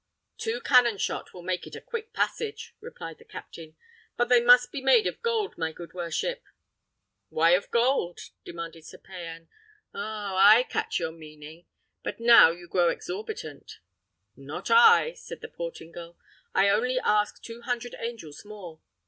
"Two cannon shot will make it a quick passage," replied the captain; "but they must be made of gold, my good worship." "Why of gold?" demanded Sir Payan. "Oh! I catch your meaning. But you grow exorbitant." "Not I," said the Portingal; "I only ask two hundred angels more.